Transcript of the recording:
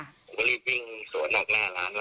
ผมก็รีบพิ้งหลั่งสวนหนักหน้าร้าน